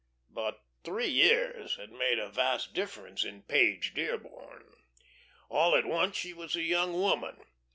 But three years had made a vast difference in Page Dearborn. All at once she was a young woman.